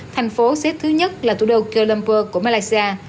thành phố xếp thứ nhất là thủ đô kuala lumpur của malaysia